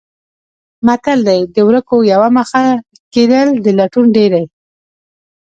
متل دی: د ورکو یوه مخه کېدل د لټون ډېرې.